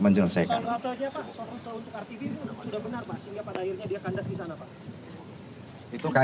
untuk rtb pun sudah benar bahasinya pada akhirnya dia kandas di sana pak